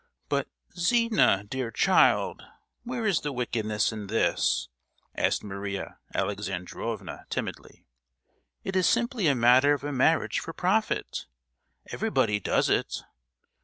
"But Zina, dear child, where is the wickedness in this?" asked Maria Alexandrovna timidly. "It is simply a matter of a marriage for profit; everybody does it!